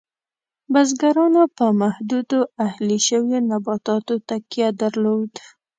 بزګرانو په محدودو اهلي شویو نباتاتو تکیه درلود.